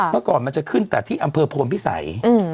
เมื่อก่อนมันจะขึ้นแต่ที่อำเภอโพนพิสัย